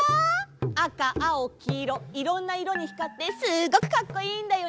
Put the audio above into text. あかあおきいろいろんないろにひかってすっごくかっこいいんだよね！